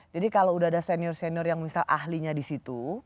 jadi kalau udah ada senior senior yang misal ahlinya disitu